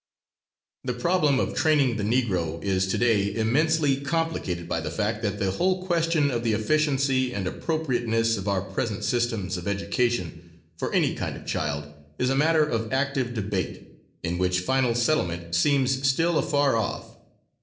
The problem of training the Negro is to day immensely complicated by the fact that the whole question of the efficiency and appropriateness of our present systems of education, for any kind of child, is a matter of active debate, in which final settlement seems still afar off.